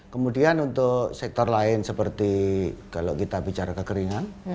kemudian untuk sektor lain seperti kalau kita bicara kekeringan